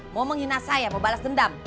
mau menghina saya mau balas dendam